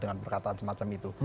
dengan perkataan semacam itu